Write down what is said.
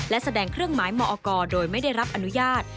และแสดงเครื่องหมายมอกรโดยไม่ได้รับอนุญาต